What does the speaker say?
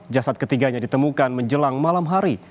jasad ketiganya ditemukan menjelang malam hari